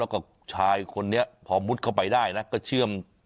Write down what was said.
แล้วก็ชายคนนี้พอมุดเข้าไปได้นะก็เชื่อม